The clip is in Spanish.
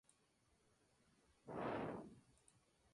La asamblea se reúne anualmente y elige la Comisión Directiva.